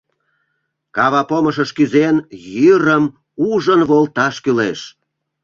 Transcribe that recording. Кава помышыш кӱзен, йӱрым ӱжын волташ кӱлеш?